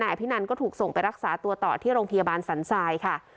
อภินันก็ถูกส่งไปรักษาตัวต่อที่โรงพยาบาลสันทรายค่ะ